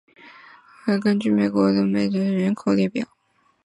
此为根据官方最新人口普查资料而建立的北美洲城市人口列表。